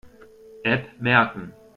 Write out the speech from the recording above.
App merken.